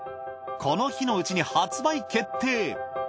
この日のうちに発売決定！